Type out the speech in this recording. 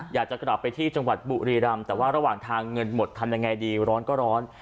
อยากจะกลับไปที่จังหวัดบุรีรำแต่ว่าระหว่างทางเงินหมดทำยังไงดีร้อนก็ร้อน